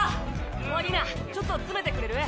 悪ぃなちょっと詰めてくれる？